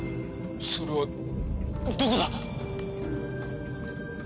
それはどこだ！？